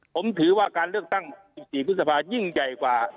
ผมถือว่าการเลือกตั้งศิษย์ธุรกิจภาพยิ่งใหญ่กว่า